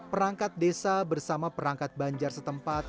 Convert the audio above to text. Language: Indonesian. perangkat desa bersama perangkat banjar setempat